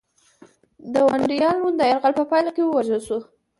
د ونډالیانو د یرغل په پایله کې ووژل شو.